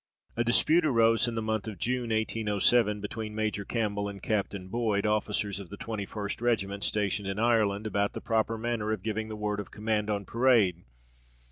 A dispute arose, in the month of June 1807, between Major Campbell and Captain Boyd, officers of the 21st regiment, stationed in Ireland, about the proper manner of giving the word of command on parade.